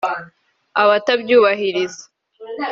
abatabyubahiriza